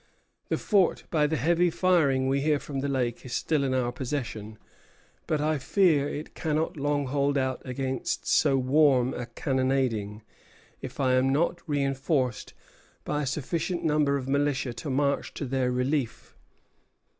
The fort, by the heavy firing we hear from the lake, is still in our possession; but I fear it cannot long hold out against so warm a cannonading if I am not reinforced by a sufficient number of militia to march to their relief."